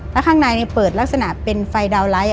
แล้วข้างในเปิดลักษณะเป็นไฟดาวนไลท์